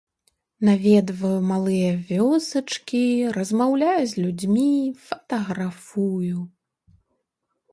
Наведваю малыя вёсачкі, размаўляю з людзьмі, фатаграфую.